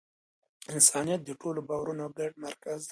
انسانیت د ټولو باورونو ګډ مرکز دی.